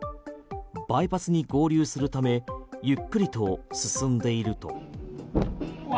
バイパスに合流するためゆっくりと進んでいると。